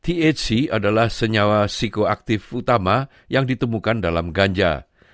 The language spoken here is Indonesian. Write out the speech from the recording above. thc adalah senyawa psikoaktif utama yang ditemukan dalam ganja